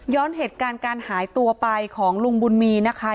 เหตุการณ์การหายตัวไปของลุงบุญมีนะคะ